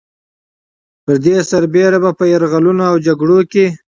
پر دې سربېره به په يرغلونو او جګړو کې